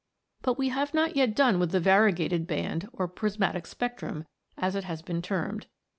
But we have not yet done with the variegated band, or prismatic spectrum, as it has been termed.